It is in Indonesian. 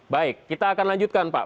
baik kita akan lanjutkan pak